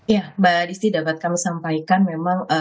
ya mbak adisti dapat kami sampaikan memang kami memahami gitu ya